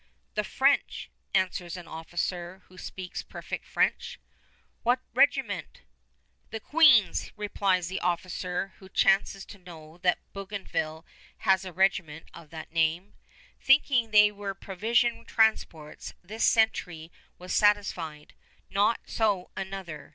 "The French," answers an officer, who speaks perfect French. "What regiment?" "The Queen's," replies the officer, who chances to know that Bougainville has a regiment of that name. Thinking they were the provision transports, this sentry was satisfied. Not so another.